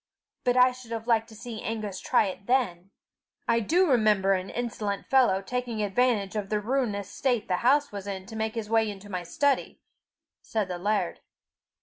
But I should have liked to see Angus try it then!" "I do remember an insolent fellow taking advantage of the ruinous state the house was in to make his way into my study," said the laird.